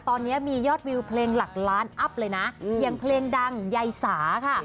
ตอนนี้มียอดวิวเพลงหลักล้านอัพเลยนะอย่างเพลงดังยายสาค่ะ